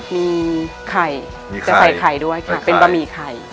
มีไข่จะใส่ไข่ด้วยค่ะเป็นบะหมี่ไข่